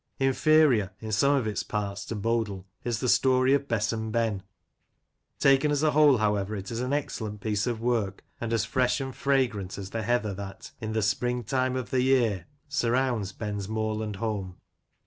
Inferior in some of its parts to Bodle, is the story of " Besom Ben." Taken as a whole, however, it is an excellent piece of work, and as fresh and fragrant as the heather that, In the spring time o' the year, surrounds Ben's moorland home.